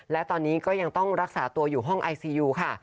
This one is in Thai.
และตอนนี้ก็ยังต้องรักษาตัวอยู่ห้องไอซียูค่ะ